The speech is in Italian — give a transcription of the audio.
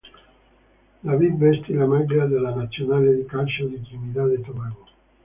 David vestì la maglia della nazionale di calcio di Trinidad e Tobago.